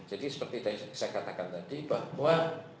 jadi seperti saya katakan tadi bahwa